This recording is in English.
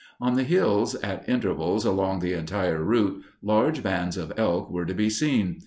On the hills at intervals along the entire route large bands of elk were to be seen.